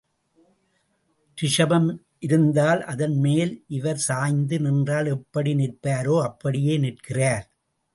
ரிஷபம் இருந்தால் அதன் மேல் இவர் சாய்ந்து நின்றால் எப்படி நிற்பாரோ அப்படியே நிற்கிறார்.